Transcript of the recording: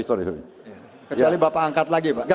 kecuali bapak angkat lagi pak